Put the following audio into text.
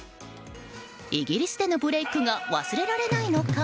イギリスでのブレークが忘れられないのか？